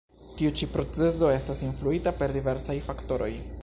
Tiu ĉi procezo estas influita per diversaj faktoroj.